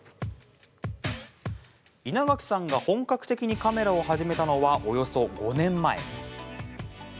イナガキさんが本格的にカメラを始めたのはおよそ５年前。